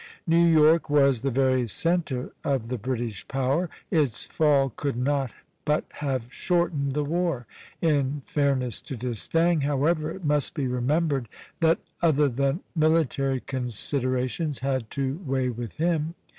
New York was the very centre of the British power; its fall could not but have shortened the war. In fairness to D'Estaing, however, it must be remembered that other than military considerations had to weigh with him.